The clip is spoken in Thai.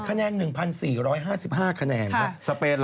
คะแนน๑๔๕๕คะแนนครับ